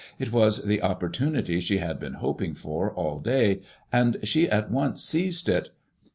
It was the opportunity she had been hoping for all day, and she at once seized it."